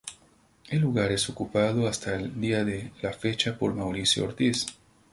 El lugar es ocupado hasta el día de la fecha por Mauricio Ortiz.